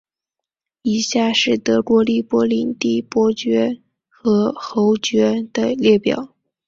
以下是德国利珀领地伯爵和侯爵的列表。